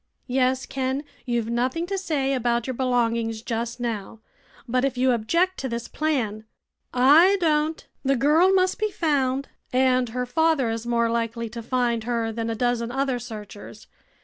"Yes, Ken. You've nothing to say about your belongings just now. But if you object to this plan " "I don't. The girl must be found, and her father is more likely to find her than a dozen other searchers.